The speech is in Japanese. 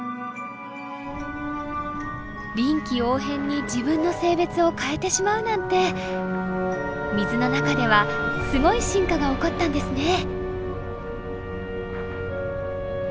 臨機応変に自分の性別を変えてしまうなんて水の中ではすごい進化が起こったんですね。